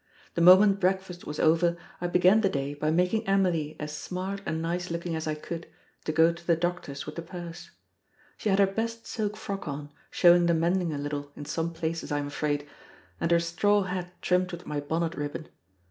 The moment breakfast was over I began the day by making Emily as smart and nice looking as I could, to go to the doctor's with the purse. She had her best silk frock on, showing the mending a little in some places, I am afraid, and her straw hat trimmed with my bonnet ribbon.